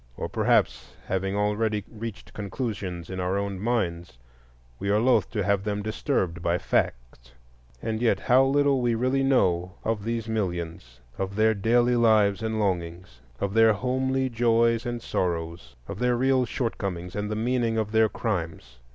Or perhaps, having already reached conclusions in our own minds, we are loth to have them disturbed by facts. And yet how little we really know of these millions,—of their daily lives and longings, of their homely joys and sorrows, of their real shortcomings and the meaning of their crimes!